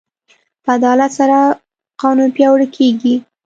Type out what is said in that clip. په عدالت سره قانون پیاوړی کېږي.